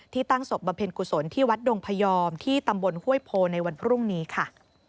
ตั้งศพบำเพ็ญกุศลที่วัดดงพยอมที่ตำบลห้วยโพในวันพรุ่งนี้ค่ะ